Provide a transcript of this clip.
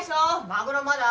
マグロまだ？